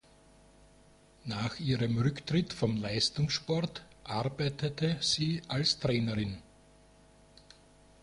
Nach ihrem Rücktritt vom Leistungssport arbeitete sie als Trainerin.